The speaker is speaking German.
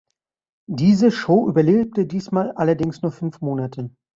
Diese Show überlebte diesmal allerdings nur fünf Monate.